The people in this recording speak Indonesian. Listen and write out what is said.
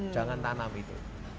jangan tanam itu